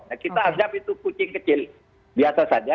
nah kita anggap itu kucing kecil biasa saja